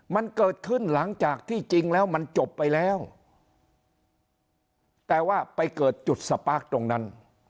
มันเกิดขึ้นหลังจากที่จริงแล้วมันจบไปแล้วแต่ว่าไปเกิดจุดสปาร์คตรงนั้น